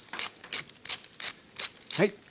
はい。